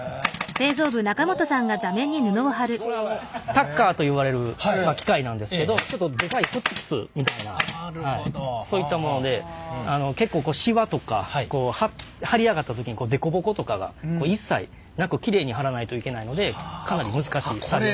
タッカーといわれる機械なんですけどちょっとでかいホッチキスみたいなそういったもので結構シワとか張り上がった時にデコボコとかが一切なくきれいに張らないといけないのでかなり難しい作業になります。